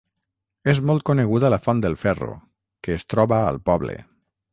És molt coneguda la Font del Ferro, que es troba al poble.